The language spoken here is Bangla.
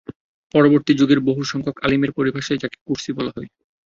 পরবর্তী যুগের বহু সংখ্যক আলিমের পরিভাষায় যাকে কুরসী বলা হয়।